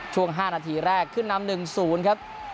ช่วง๕นาทีแรกขึ้นนำ๑๐ครับ